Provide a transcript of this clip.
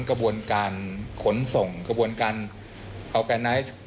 กระบวนการขนส่งกระบวนการออร์แกไนซ์